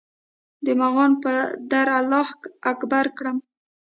د مغان پر در الله اکبر کړم